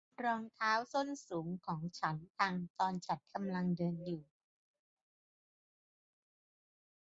รองเท้าส้นสูงของฉันพังตอนฉันกำลังเดินอยู่